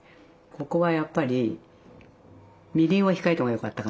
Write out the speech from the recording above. ここはやっぱりみりんを控えたほうがよかったかなとは思う。